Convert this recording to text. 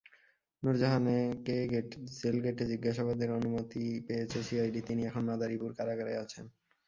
নুরজাহানকে জেলগেটে জিজ্ঞাসাবাদের অনুমতি পেয়েছে সিআইডি, তিনি এখন মাদারীপুর কারাগারে আছেন।